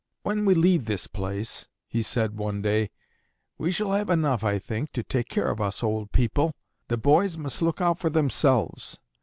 'When we leave this place,' he said, one day, 'we shall have enough, I think, to take care of us old people. The boys must look out for themselves.